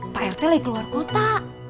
pak rt lagi keluar kota